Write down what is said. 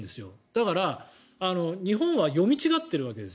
だから、日本は読み違ってるわけです